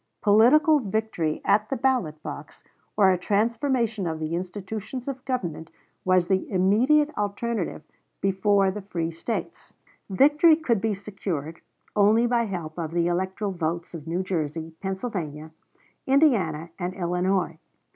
Political victory at the ballot box or a transformation of the institutions of government was the immediate alternative before the free States. Victory could be secured only by help of the electoral votes of New Jersey, Pennsylvania, Indiana, and Illinois.